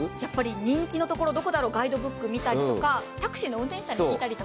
人気のところどこだろう、ガイドブック見たりとか、タクシーの運転手に聞いたりとか。